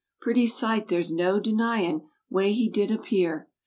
Pretty sight, there's no denyin' Way he did appear.